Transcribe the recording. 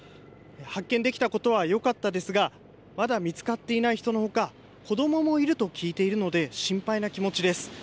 発見できたことはよかったですがまだ見つかっていない人のほか子どももいると聞いているので心配な気持ちです。